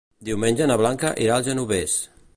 Diumenge na Blanca irà al Genovés.